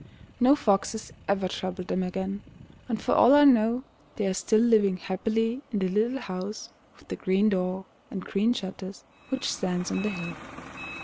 No foxes ever troubled them again, and for all I know they are still living happily in the little house with the green door and green shutters, which stands on the hill.